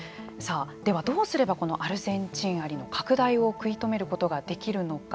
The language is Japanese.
では、どうすればアルゼンチンアリの拡大を食い止めることができるのか。